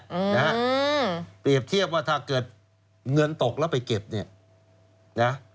อืมนะฮะอืมเปรียบเทียบว่าถ้าเกิดเงินตกแล้วไปเก็บเนี่ยนะ